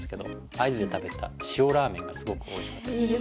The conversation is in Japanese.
会津で食べた塩ラーメンがすごくおいしかったです。